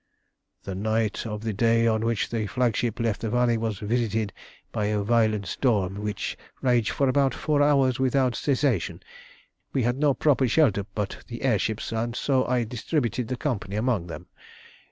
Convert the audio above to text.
"The night of the day on which the flagship left the valley was visited by a violent storm, which raged for about four hours without cessation. We had no proper shelter but the air ships, and so I distributed the company among them.